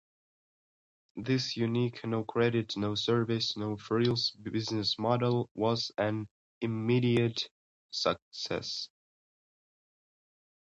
This unique no-credit, no-service, no-frills business model was an immediate success.